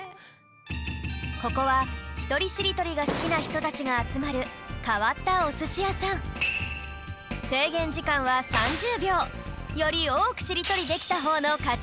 ここはひとりしりとりがすきなひとたちがあつまるかわったおすしやさんよりおおくしりとりできたほうのかち！